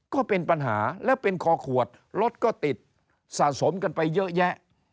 ก็เป็นปัญหาแล้วเป็นคอขวดรถก็ติดสะสมกันไปเยอะแยะ